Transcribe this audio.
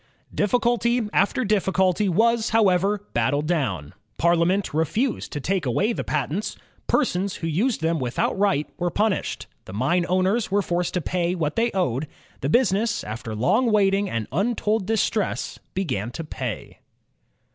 Difficulty after difficulty was, however, battled down. Parliament refused to take away the patents. Persons who used them without right were punished. The mine owners were forced to pay what they owed. The busi ness, after long waiting and imtold distress, began to pay.